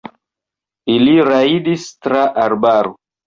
Ili rajdis tra arbaro.